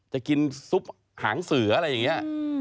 จะกินซุปหางเสืออะไรอย่างนี้